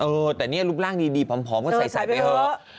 เออแต่เนี่ยรูปร่างดีผอมก็ใส่ไปเถอะ